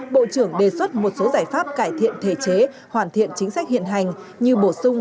bộ trưởng đề xuất một số giải pháp cải thiện thể chế hoàn thiện chính sách hiện hành như bổ sung